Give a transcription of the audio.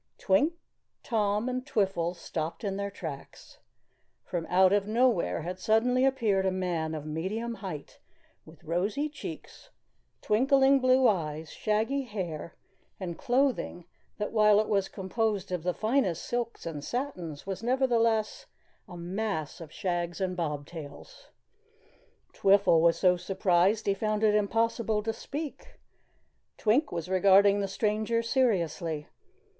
Twink, Tom, and Twiffle stopped in their tracks. From out of nowhere had suddenly appeared a man of medium height with rosy cheeks, twinkling blue eyes, shaggy hair and clothing that, while it was composed of the finest silks and satins, was nevertheless a mass of shags and bobtails. Twiffle was so surprised he found it impossible to speak. Twink was regarding the stranger seriously.